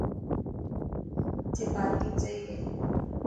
اٿي پارڪنگ سهي هي.